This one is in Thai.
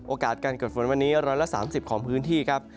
โอกาสการเกิดฝนวันนี้๑๓๐ของพื้นที่ครับ